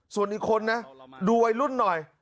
ส่วนอีกคนนะดูวัยรุ่นหน่อย